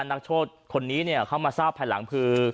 นักโทษคนนี้เข้ามาทราบภายหลังคือ